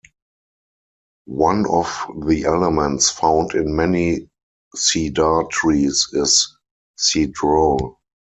One of the elements found in many cedar trees is cedrol.